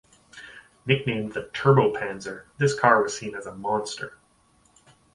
Nicknamed the "Turbopanzer" this car was seen as a monster.